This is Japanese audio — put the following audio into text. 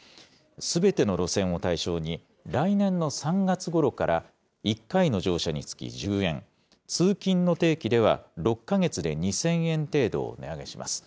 すべての路線を対象に、来年の３月ごろから１回の乗車につき１０円、通勤の定期では６か月で２０００円程度を値上げします。